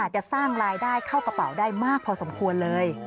จะสร้างรายได้เข้ากระเป๋าได้มากพอสมควรเลย